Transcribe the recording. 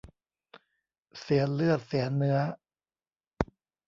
เสียเลือดเสียเนื้อ